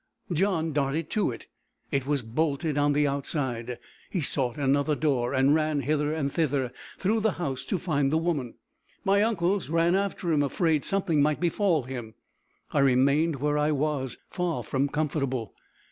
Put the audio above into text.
John darted to it. It was bolted on the outside. He sought another door, and ran hither and thither through the house to find the woman. My uncles ran after him, afraid something might befall him. I remained where I was, far from comfortable.